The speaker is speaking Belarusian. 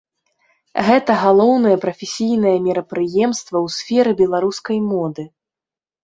Гэта галоўнае прафесійнае мерапрыемства ў сферы беларускай моды.